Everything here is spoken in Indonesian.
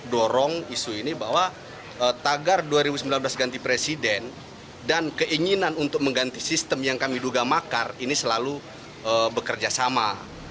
dorong isu ini bahwa tagar dua ribu sembilan belas ganti presiden dan keinginan untuk mengganti sistem yang kami duga makar ini selalu bekerja sama